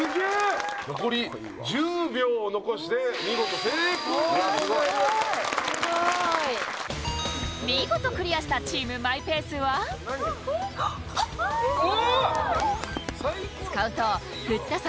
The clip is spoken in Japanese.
見事クリアしたチームマイペースはおっ！